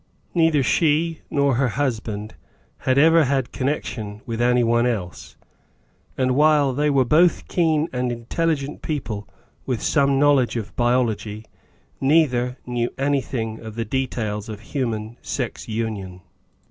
_ Neither she nor her husband had ever had connection with anyone else, and, while they were both keen and intelligent people with some know edge of biology, neither knew anything of the de tails of human sex union.